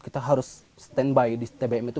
kita harus stand by di tbm itu